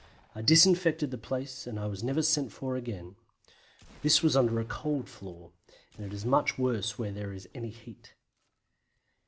I disinfected the place, and I was never sent for again. This was under a cold floor, and it is much worse where there is any heat.